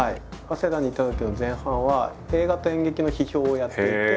早稲田にいたときの前半は映画と演劇の批評をやっていて。